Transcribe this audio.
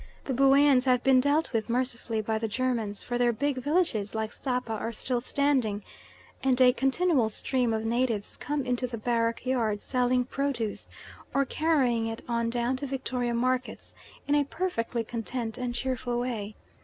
The Bueans have been dealt with mercifully by the Germans, for their big villages, like Sapa, are still standing, and a continual stream of natives come into the barrack yard, selling produce, or carrying it on down to Victoria markets, in a perfectly content and cheerful way.